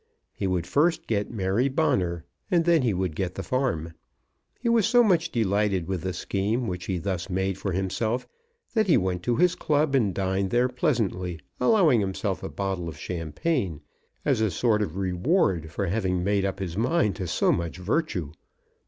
He would first get Mary Bonner, and then he would get the farm. He was so much delighted with the scheme which he thus made for himself, that he went to his club and dined there pleasantly, allowing himself a bottle of champagne as a sort of reward for having made up his mind to so much virtue.